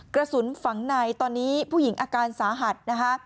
กระสุนฝังในตอนนี้ผู้หญิงอาการสาหัสนะคะ